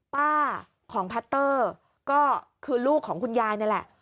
ป้าของพัตเตอร์ก็คือลูกของคุณยายนี่แหละ